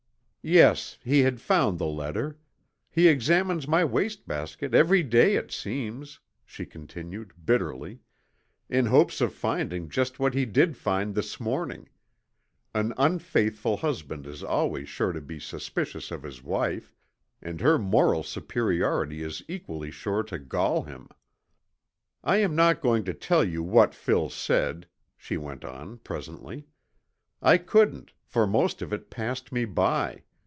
"Yes, he had found the letter. He examines my waste basket every day it seems," she continued, bitterly, "in hopes of finding just what he did find this morning. An unfaithful husband is always sure to be suspicious of his wife, and her moral superiority is equally sure to gall him." "I am not going to tell you what Phil said," she went on presently. "I couldn't, for most of it passed me by.